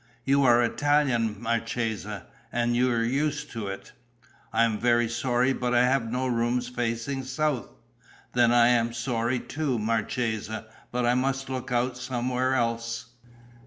"You are an Italian, marchesa, and you're used to it." "I'm very sorry, but I have no rooms facing south." "Then I'm sorry too, marchesa, but I must look out somewhere else."